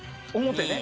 表ね。